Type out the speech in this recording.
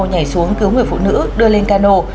nhảy xuống cứu người phụ nữ đưa lên cano